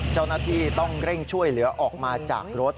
เจ้าหน้าที่ต้องเร่งช่วยเหลือออกมาจากรถ